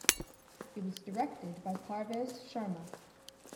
It was directed by Parvez Sharma.